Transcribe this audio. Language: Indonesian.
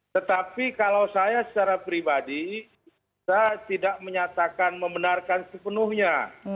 tetapi kalau saya secara pribadi saya tidak menyatakan membenarkan sepenuhnya